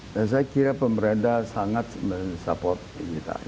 saya kira pemerintah sangat men support pemerintah